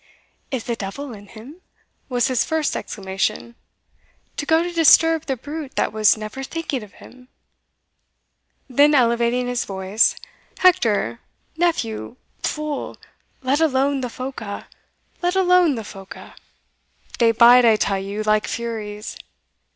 "Is the devil in him," was his first exclamation, "to go to disturb the brute that was never thinking of him!" Then elevating his voice, "Hector nephew fool let alone the Phoca let alone the Phoca! they bite, I tell you, like furies.